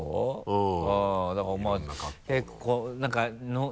うん。